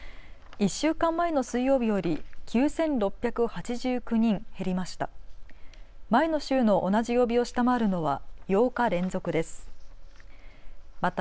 １週間前の水曜日より９６８９人減りました。